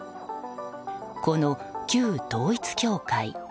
この旧統一教会。